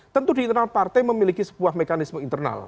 tentu di internal partai memiliki sebuah mekanisme internal